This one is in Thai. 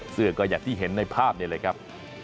เสื้อก็อย่างที่เห็นในภาพนี้เลยครับ